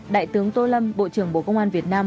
đại tướng tô lâm bộ trưởng bộ công an việt nam